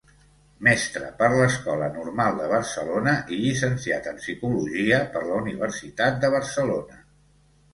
Mestre per l’Escola Normal de Barcelona i llicenciat en psicologia per la Universitat de Barcelona.